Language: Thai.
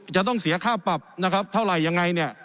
จะต้องเสียค่าปรับนะครับเท่าไหร่ยังไงเนี่ย